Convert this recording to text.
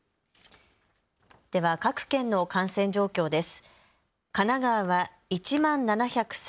では各県の感染状況です。